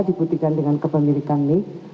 dibuktikan dengan kepemilikan nic